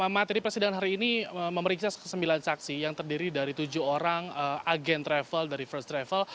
materi presiden hari ini memeriksa sembilan saksi yang terdiri dari tujuh orang agen travel dari first travel